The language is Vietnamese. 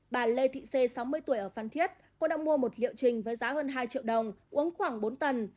bà lê thị xê sáu mươi tuổi ở phan thiết cũng đã mua một liệu trình với giá hơn hai triệu đồng uống khoảng bốn tần